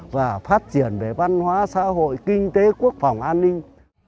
và phát triển về văn hóa xã hội kinh tế quốc phòng an ninh